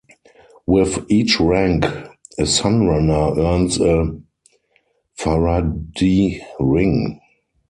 With each rank a Sunrunner earns a "faradhi" ring.